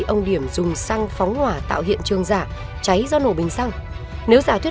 ông điểm cho rằng ông và bà liễu có ở cùng nhau